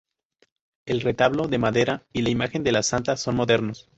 El retablo, de madera, y la imagen de la santa son modernos.